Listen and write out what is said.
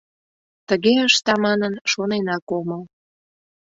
Тыге ышта манын, шоненак омыл...